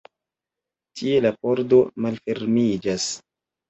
Tie la pordo malfermiĝas.